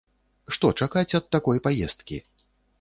Што чакаць ад такой паездкі?